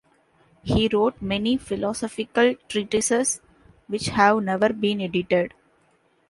He wrote many philosophical treatises which have never been edited.